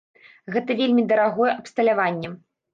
Гэта вельмі дарагое абсталяванне.